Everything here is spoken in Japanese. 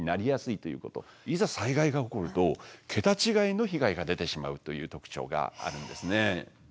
いざ災害が起こるとケタ違いの被害が出てしまうという特徴があるんですね。